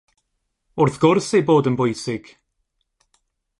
Wrth gwrs eu bod yn bwysig!